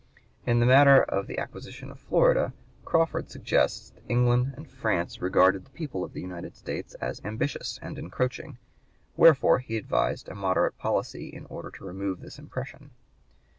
In the matter of the acquisition of Florida, Crawford suggested that England and France regarded the people of the United States as ambitious and encroaching; wherefore he advised a moderate policy in order to remove this impression.